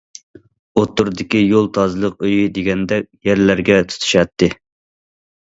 ئوتتۇرىدىكى يول تازىلىق ئۆيى دېگەندەك يەرلەرگە تۇتىشاتتى.